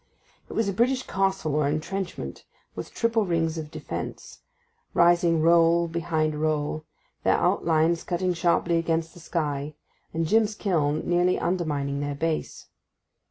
It was a British castle or entrenchment, with triple rings of defence, rising roll behind roll, their outlines cutting sharply against the sky, and Jim's kiln nearly undermining their base.